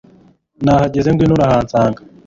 nahageze ngwino urahansanga